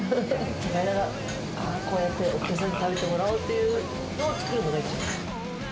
榮田がこうやって、お客さんに食べてもらおうというのを作るのが一番。